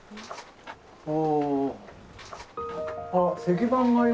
お。